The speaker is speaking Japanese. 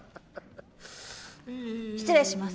失礼します。